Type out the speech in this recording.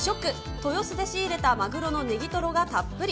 豊洲で仕入れたマグロのネギトロがたっぷり。